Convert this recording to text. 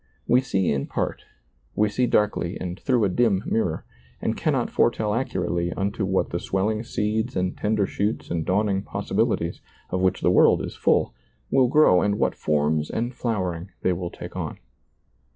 We see in part, we see darkly and through a dim mirror, and cannot foretell accurately unto what the sweUing seeds and tender shoots and dawning possibilities, of which the world is full, will grow and what forms and flowering they will take on.